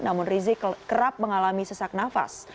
namun rizik kerap mengalami sesak nafas